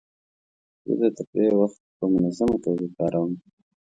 زه د تفریح وخت په منظمه توګه کاروم.